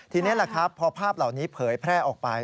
ทีนี้แหละครับพอภาพเหล่านี้เผยแพร่ออกไป